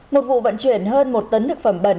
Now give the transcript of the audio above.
một vụ vận chuyển hơn một tấn thực phẩm bẩn